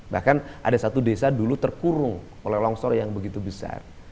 bahkan ada satu desa dulu terkurung oleh longsor yang begitu besar